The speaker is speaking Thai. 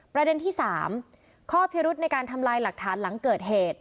ประเด็นที่๓ข้อพิรุธในการทำลายหลักฐานหลังเกิดเหตุ